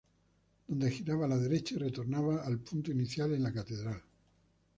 Dónde giraba a la derecha y retornaba al punto inicial en la Catedral.